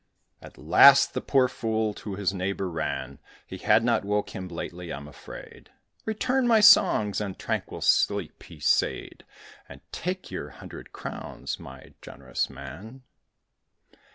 At last the poor fool to his neighbour ran; He had not woke him lately, I'm afraid: "Return my songs and tranquil sleep," he said, "And take your hundred crowns, my generous man."